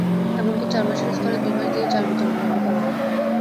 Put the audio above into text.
এমনকি চার মাসের স্থলে দুই মাস দিয়ে চাল বিতরণ বন্ধ করা হয়।